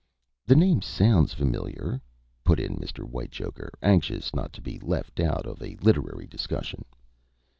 "The name sounds familiar," put in Mr. Whitechoker, anxious not to be left out of a literary discussion.